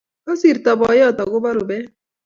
Kosirto boyot akobo rupet